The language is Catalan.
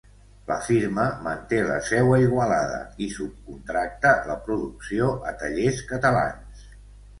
La firma manté la seu a Igualada i subcontracta la producció a tallers catalans.